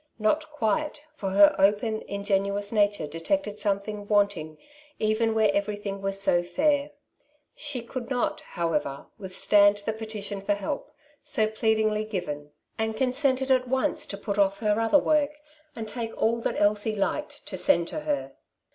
Not quite, for her open, ingenuous nature detected something wanting even where everything was so fair. She could not, however, withstand the petition for help, so pleadingly given, and con sented at once to put off her other work, and take all that Elsie liked to send to her.